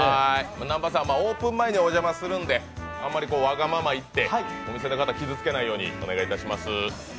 南波さん、オープン前にお邪魔するんでわがまま言ってお店の方を傷つけないようにお願いします。